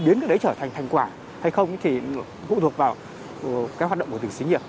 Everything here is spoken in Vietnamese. biến cái đấy trở thành thành quả hay không thì hữu thuộc vào cái hoạt động của tỉnh sĩ nghiệp